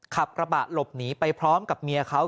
ขับกระบะหลบหนีไปพร้อมกับเมียเขา